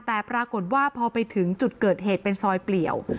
แต่ปรากฏว่าพอไปถึงจุดเกิดเหตุเป็นซอยเปลี่ยว